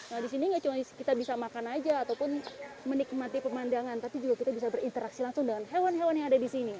nah disini gak cuma kita bisa makan aja ataupun menikmati pemandangan tapi juga kita bisa berinteraksi langsung dengan hewan hewan yang ada disini